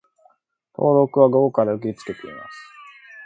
登録は午後から受け付けています